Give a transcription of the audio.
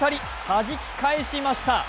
はじき返しました。